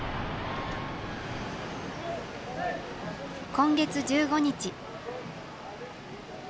今月１５日。